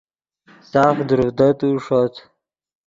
ساف دروڤدتو ݰوت